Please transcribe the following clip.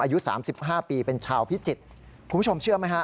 อายุ๓๕ปีเป็นชาวพิจิตรคุณผู้ชมเชื่อไหมฮะ